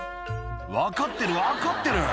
「分かってる分かってる」